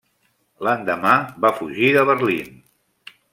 L'endemà, va fugir de Berlín.